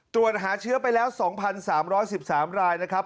ตรวจหาเชื้อไปแล้ว๒๓๑๓รายนะครับ